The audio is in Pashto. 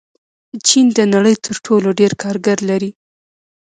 چین د نړۍ تر ټولو ډېر کارګر لري.